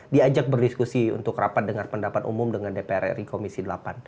diajak berdiskusi untuk rapat dengan pendapat umum dengan dpr ri komisi delapan